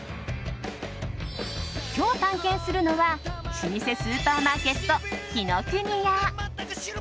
今日探検するのは老舗スーパーマーケット紀ノ国屋。